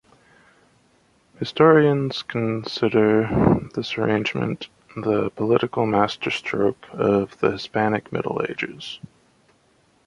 Historians consider this arrangement the political masterstroke of the Hispanic Middle Ages.